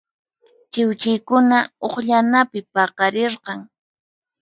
Chiwchiykuna uqllanapi paqarirqan.